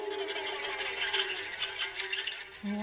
うわ。